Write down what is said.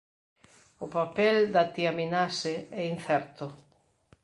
O papel da tiaminase é incerto.